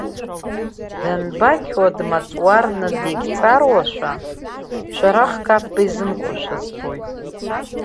Данбақьуа дмаҵуарны дегьҵаруашәа, шәарахк аԥба изымкуашәа збоит.